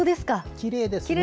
きれいですね。